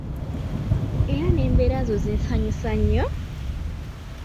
Era n'embira zo zinsanyusa nnyo!